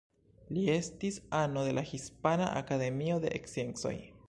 Li estis ano de la Hispana Akademio de Sciencoj.